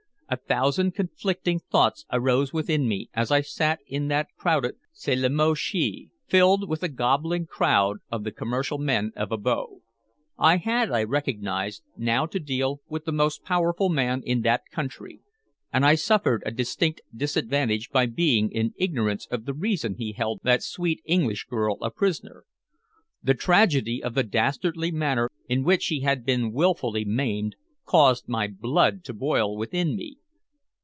A thousand conflicting thoughts arose within me as I sat in that crowded salle à manger filled with a gobbling crowd of the commercial men of Abo. I had, I recognized, now to deal with the most powerful man in that country, and I suffered a distinct disadvantage by being in ignorance of the reason he held that sweet English girl a prisoner. The tragedy of the dastardly manner in which she had been willfully maimed caused my blood to boil within me.